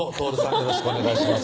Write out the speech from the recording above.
よろしくお願いします